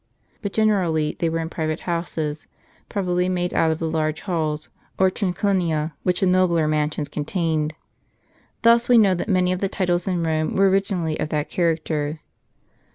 But generally they were in private houses, probably made out of the large halls, or triclinia, which the nobler mansions con tained. Thus we know that many of the titles in Rome were originally of that character.